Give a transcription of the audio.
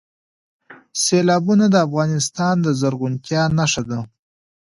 سیلابونه د افغانستان د زرغونتیا نښه ده.